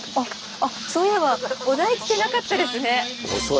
あそういえばお題来てなかったですね。